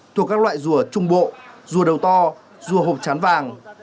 thuộc các loại rùa trung bộ rùa đầu to rùa hộp chán vàng